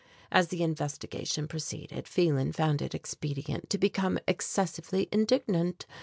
As the investigation proceeded, Phelan found it expedient, to become excessively indignant.